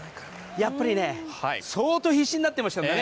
やっぱり相当必死になってましたね